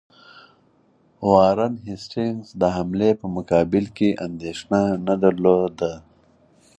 وارن هیسټینګز د حملې په مقابل کې اندېښنه نه درلوده.